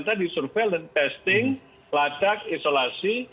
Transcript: entah di survei testing latak isolasi